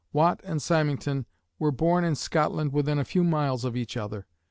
Watt and Symington were born in Scotland within a few miles of each other.